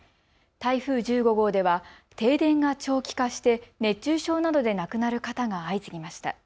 台風１５号では停電が長期化して熱中症などで亡くなる方が相次ぎました。